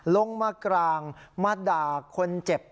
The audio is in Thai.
ลงมากลางมาด่าคนเจ็บ